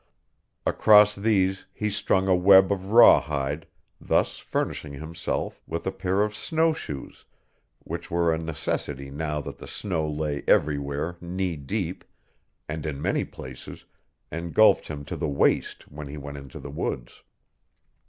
Across these he strung a web of rawhide, thus furnishing himself with a pair of snowshoes which were a necessity now that the snow lay everywhere knee deep and in many places engulfed him to the waist when he went into the woods.